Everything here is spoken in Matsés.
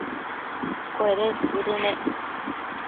cuedes cuëdënec